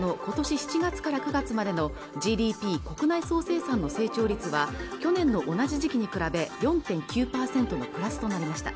７月から９月までのＧＤＰ国内総生産の成長率は去年の同じ時期に比べ４．９％のプラスとなりました